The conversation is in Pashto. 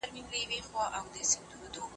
لارښود له پخوا راهیسې په دې برخه کي کار کوي.